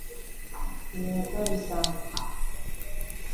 ni hatari sana